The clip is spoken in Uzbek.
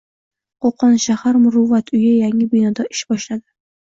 Qo‘qon shahar \Muruvvat\" uyi yangi binoda ish boshlading"